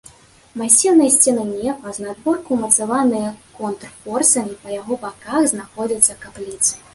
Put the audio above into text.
Масіўныя сцены нефа знадворку ўмацаваныя контрфорсамі, па яго баках знаходзяцца капліцы.